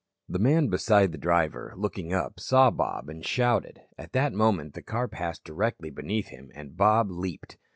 The man beside the driver, looking up, saw Bob, and shouted. At that moment the car passed directly beneath him, and Bob leaped.